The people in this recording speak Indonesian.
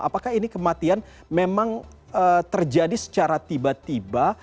apakah ini kematian memang terjadi secara tiba tiba